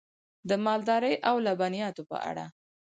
د مالدارۍ او لبنیاتو په اړه: